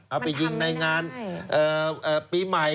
เอาไปยิงในงานปีใหม่